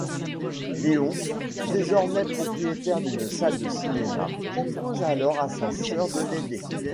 Léon, désormais propriétaire d'une salle de cinéma, propose alors à sa sœur de l'aider.